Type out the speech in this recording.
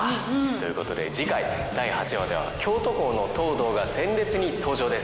ということで次回第８話では京都校の東堂が鮮烈に登場です。